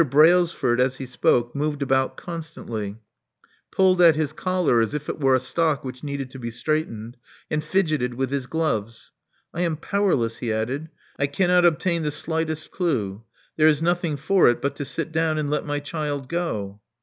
Brailsford, as he spoke, moved about constantly; pulled at his collar as if it were a stock which needed to be straightened; and fidgeted with his gloves. *'I am powerless," he added. *'I cannot obtain the slightest clue. There is nothing for it but to sit down and let my child go."